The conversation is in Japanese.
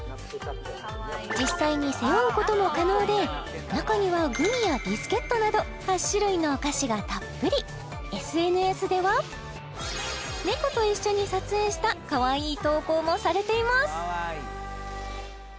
実際に背負うことも可能で中にはグミやビスケットなど８種類のお菓子がたっぷりＳＮＳでは猫と一緒に撮影したかわいい投稿もされています